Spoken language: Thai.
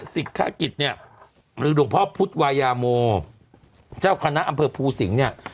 สิทธกิจเนี่ยหรือหลวงพ่อพุทธวายาโมเจ้าคณะอำเภอภูสิงศ์เนี่ย